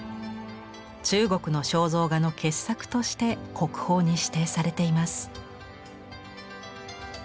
中国肖像画の傑作として国宝に指定されています。